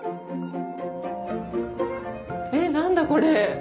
え何だこれ？